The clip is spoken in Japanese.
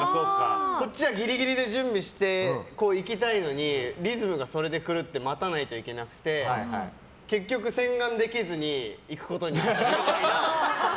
こっちはギリギリで準備して行きたいのにリズムがそれで、狂って待たないといけなくて結局、洗顔できずに行くことになってみたいな。